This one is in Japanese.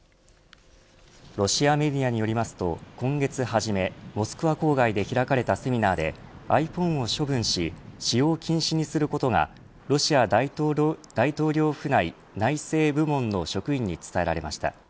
ロシアメディアによりますと今月初めモスクワ郊外で開かれたセミナーでｉＰｈｏｎｅを処分し使用禁止にすることがロシア大統領府内政部門の職員に伝えられました。